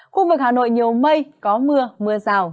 khu vực hà nội nhiều mây có mưa mưa rào